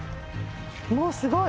もうすごい。